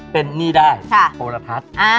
เป็นหนี้ได้โทรทัศน์